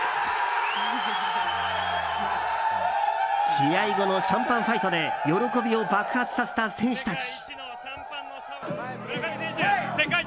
試合後のシャンパンファイトで喜びを爆発させた選手たち。